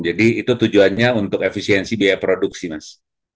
jadi itu tujuannya untuk efisiensi biaya produksi mas